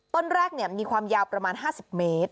ต้นแรกมีความยาวประมาณ๕๐เมตร